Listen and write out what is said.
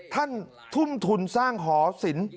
ท่านทุ่มทุนสร้างหอศิลป์